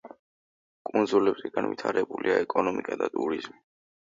კუნძულებზე განვითარებულია ეკონომიკა და ტურიზმი.